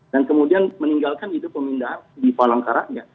dan kemudian meninggalkan itu pemindahan di palangkaranya